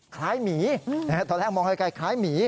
คล้ายหมีตอนแรกมองให้ใกล้คล้ายหมี